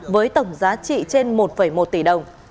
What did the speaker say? với tổng giá trị trên một một tỷ đồng